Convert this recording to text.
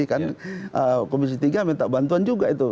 kan komisi tiga minta bantuan juga itu